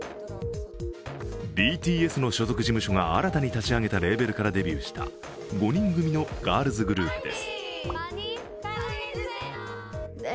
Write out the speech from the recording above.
ＢＴＳの所属事務所が新たに立ち上げたレーベルからデビューした５人組のガールズグループです。